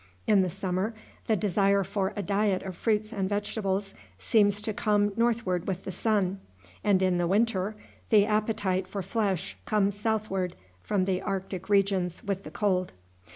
In the summer the desire for a diet of fruits and vegetables seems to come northward with the sun, and in the winter the appetite for flesh comes southward from the arctic regions with the cold.